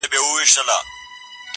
عمر تېر سو پاچا زوړ نیوي کلن سو!.